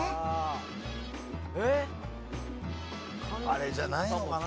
あれじゃないのかな。